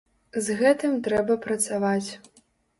З гэтым трэба працаваць.